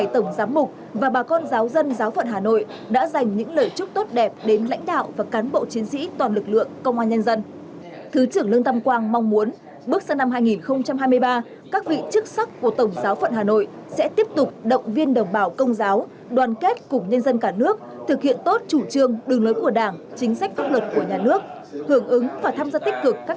tổng giám mục tổng giáo phận hà nội vũ văn thiên gửi lời chúc mừng năm mới tới lãnh đạo bộ công an nhân dân bước sang năm hai nghìn hai mươi ba rồi giao sức khỏe hoàn thành xuất sắc nhiệm vụ được giao sức khỏe hoàn thành xuất sắc nhiệm vụ được giao sức khỏe hoàn thành xuất sắc nhiệm vụ được giao sức khỏe hoàn thành xuất sắc nhiệm vụ được giao sức khỏe